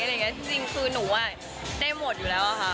อะไรอย่างนี้จริงคือหนูได้หมดอยู่แล้วค่ะ